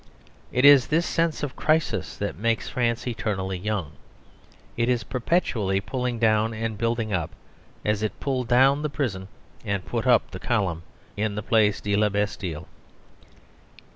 It is this sense of crisis that makes France eternally young. It is perpetually pulling down and building up, as it pulled down the prison and put up the column in the Place de La Bastille.